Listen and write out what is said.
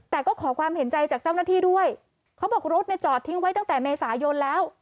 แต่ก็ขอความเห็นใจจากเจ้าหน้าที่ด้วยเขาบอกรถเนี่ยจอดทิ้งไว้ตั้งแต่เมษายนแล้ว